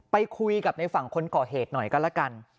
ไปคุยกับในฝั่งคนก่อเหตุหน่อยก็แล้วกัน